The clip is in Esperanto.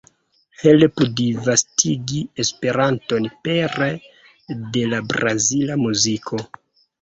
Helpu disvastigi Esperanton pere de la brazila muziko!